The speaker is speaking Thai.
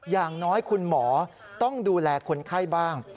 อย่างน้อยคุณหมอต้องดูแลคนไข้บ้าง